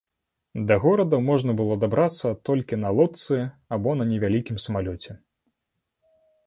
Да горада можна было дабрацца толькі на лодцы або на невялікім самалёце.